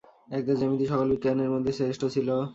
একদা জ্যামিতি সকল বিজ্ঞানের মধ্যে শ্রেষ্ঠ ছিল।